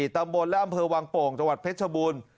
ตำบลและอำเภอวังโป่งจังหวัดเพชรชบูรณ์